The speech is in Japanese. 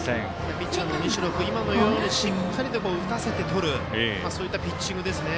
ピッチャーの西野君今のようにしっかりと打たせてとるそういったピッチングですね。